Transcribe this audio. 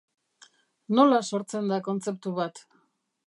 Nola sortzen da kontzeptu bat?